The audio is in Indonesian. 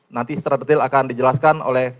nanti secara detail akan dijelaskan oleh